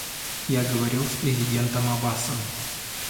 Я говорил с президентом Аббасом.